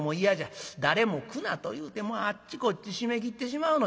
誰も来なというてあっちこっち閉めきってしまうのじゃ」。